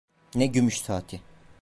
Ne gümüş saati…